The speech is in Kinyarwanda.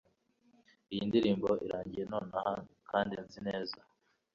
Iyi ndirimbo irangiye nonaha kandi nzi neza